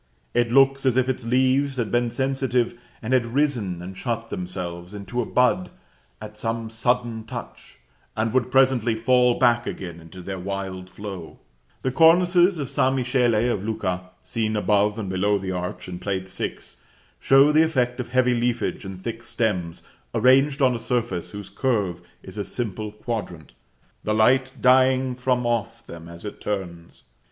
It looks as if its leaves had been sensitive, and had risen and shut themselves into a bud at some sudden touch, and would presently fall back again into their wild flow. The cornices of San Michele of Lucca, seen above and below the arch, in Plate VI., show the effect of heavy leafage and thick stems arranged on a surface whose curve is a simple quadrant, the light dying from off them as it turns.